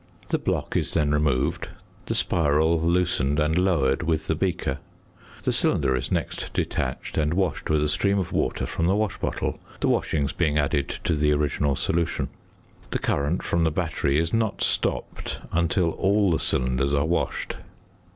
The block is then removed, the spiral loosened and lowered with the beaker. The cylinder is next detached and washed with a stream of water from the wash bottle, the washings being added to the original solution. The current from the battery is not stopped until all the cylinders are washed.